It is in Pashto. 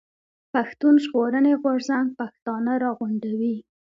پښتون ژغورني غورځنګ پښتانه راغونډوي.